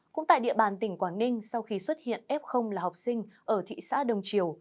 cũng tại địa bàn tỉnh quảng ninh sau khi xuất hiện f là học sinh ở thị xã đông triều